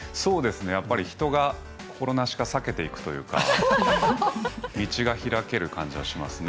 やっぱり人が心なしか避けていくというか道が開ける感じがしますね。